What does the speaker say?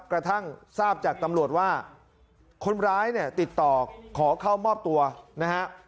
กระทั่งทราบจากตำรวจว่าคนร้ายเนี่ยติดต่อขอเข้ามอบตัวนะฮะ